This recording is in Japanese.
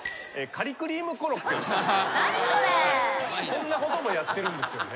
こんなこともやってるんですよね。